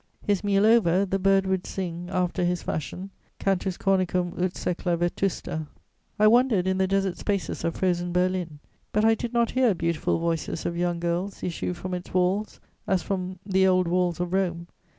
His meal over, the bird would sing after his fashion: cantus cornicum ut secla vetusta. I wandered in the desert spaces of frozen Berlin, but I did not hear beautiful voices of young girls issue from its walls, as from the old walls of Rome.